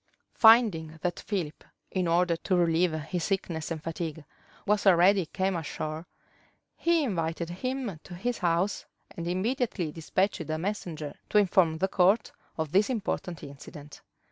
Finding that Philip, in order to relieve his sickness and fatigue, was already come ashore, he invited him to his house; and immediately despatched a messenger to inform the court of this important incident.